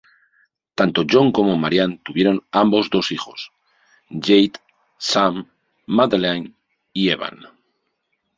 Tanto John como Marianne tuvieron ambos dos hijos: Jade, Sam, Madeline y Evan.